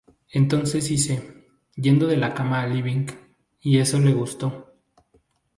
Entonces hice 'Yendo de la cama al living', y eso le gustó".